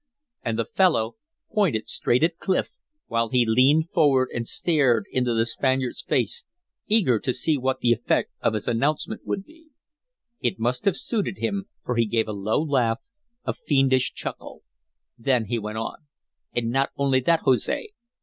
And the fellow pointed straight at Clif, while he leaned forward and stared into the Spaniard's face, eager to see what the effect of his announcement would be. It must have suited him, for he gave a low laugh, a fiendish chuckle. Then he went on. "And not only that, Jose!